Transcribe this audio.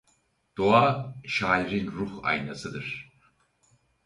Doğa şairin ruh aynasıdır.